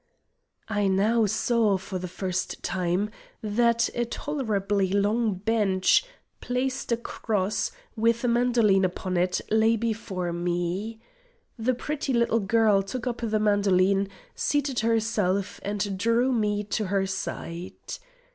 I now saw, for the first time, that a tolerably long bench, placed across, with a mandoline upon it, lay before me. The pretty little girl took up the mandoline, seated herself, and drew me to her side.